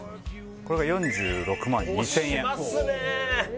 これが４６万２０００円しますね